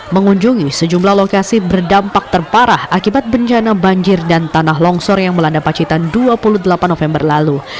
mengunjungi sejumlah lokasi berdampak terparah akibat bencana banjir dan tanah longsor yang melanda pacitan dua puluh delapan november lalu